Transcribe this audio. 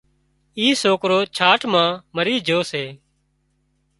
ايڪ سوڪرو ڇاٽ مان مري جھو سي